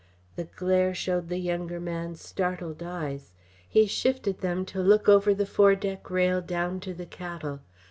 The glare showed the younger man's startled eyes. He shifted them to look over the foredeck rail down to the cattle.